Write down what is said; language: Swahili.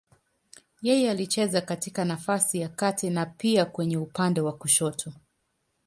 Yeye alicheza katika nafasi ya kati na pia kwenye upande wa kushoto.